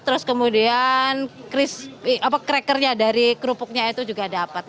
terus kemudian krisp apa crackernya dari kerupuknya itu juga dapat